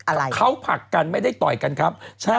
คุณหมอโดนกระช่าคุณหมอโดนกระช่าคุณหมอโดนกระช่า